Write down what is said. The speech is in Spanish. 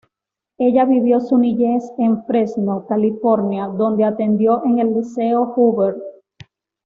Ella vivió su niñez en Fresno, California, dónde atendió en el Liceo Hoover.